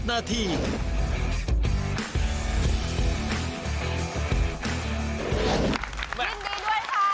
ยินดีด้วยค่ะ